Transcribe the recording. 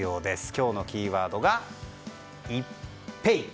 今日のキーワードが、イッペイ。